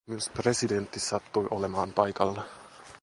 Myös presidentti sattui olemaan paikalla.